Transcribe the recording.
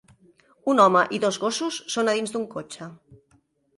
Un home i dos gossos són a dins d'un cotxe.